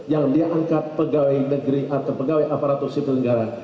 yang diangkat pegawai negeri atau pegawai aparatur sipil negara